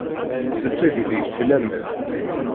Ad teg deg-k laman.